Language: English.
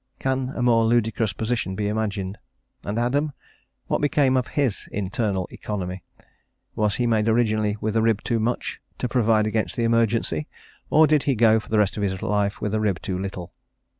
Can a more ludicrous position be imagined; and Adam? What became of his internal economy? was he made originally with a rib too much, to provide against the emergency, or did he go, for the rest of his life, with a rib too little?